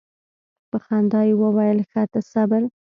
په خندا یې وویل ښه ته صبر.